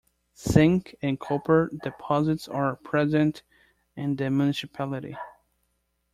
Zinc and copper deposits are present in the municipality.